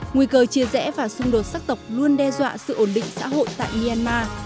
nguy cơ chia rẽ và xung đột sắc tộc luôn đe dọa sự ổn định xã hội tại myanmar